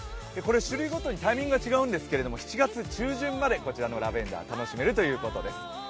種類ごとにタイミングが違うんですけれども、７月中旬までこちらのラベンダー楽しめるということです。